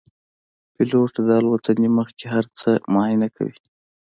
پیلوټ د الوتنې مخکې هر څه معاینه کوي.